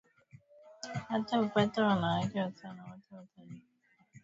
hii hata upate wanawake watano wote wataridhikaalisema yule mwanamke